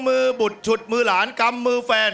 มือบุดฉุดมือหลานกำมือแฟน